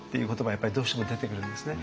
やっぱりどうしても出てくるんですね。